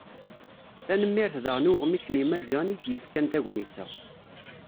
Tanemmirt daɣen i uɣmis n Yimaziɣen i yi-d-yefkan tagnit-a.